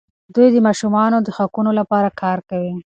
دوی د ماشومانو د حقونو لپاره کار کوي.